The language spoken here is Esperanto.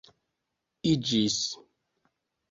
iĝis